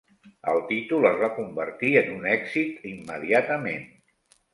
El títol es va convertir en un èxit immediatament.